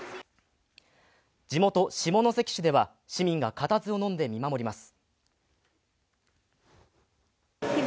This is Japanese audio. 地元・下関市では市民が固唾を呑んで見守ります。